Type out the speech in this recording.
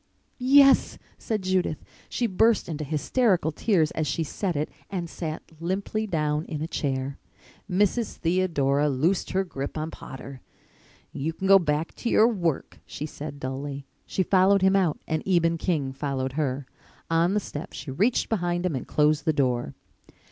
"Yes," said Judith. She burst into hysterical tears as she said it and sat limply down in a chair. Mrs. Theodora loosed her grip on Potter. "You can go back to your work," she said dully. She followed him out and Eben King followed her. On the step she reached behind him and closed the door.